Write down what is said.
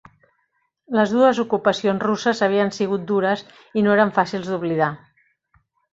Les dues ocupacions russes havien sigut dures i no eren fàcils d'oblidar.